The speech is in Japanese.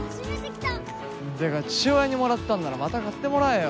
てか父親にもらったんならまた買ってもらえよ。